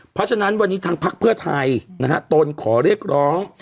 เพราะฉะนั้นวันนี้ทางพักเพื่อไทยนะฮะตนขอเรียกร้อง